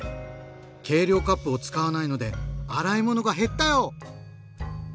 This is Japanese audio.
計量カップを使わないので洗い物が減ったよ！